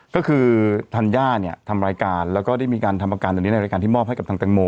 ก็คือธัญญาเนี่ยทำรายการแล้วก็ได้มีการทำอาการตอนนี้ในรายการที่มอบให้กับทางแตงโม